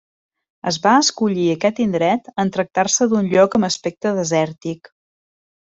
Es va escollir aquest indret en tractar-se d'un lloc amb aspecte desèrtic.